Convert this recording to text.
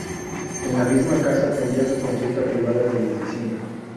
En la misma casa atendía su consulta privada de medicina.